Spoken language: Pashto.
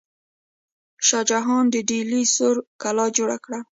شاه جهان د ډیلي سور کلا جوړه کړه.